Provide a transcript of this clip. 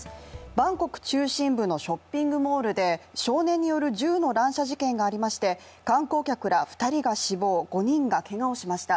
バンコク中心部のショッピングモールで少年による銃の乱射事件が起こりまして、観光客ら２人が死亡、５人がけがをしました。